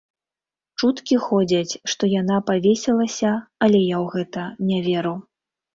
Чуткі ходзяць, што яна павесілася, але я ў гэта не веру.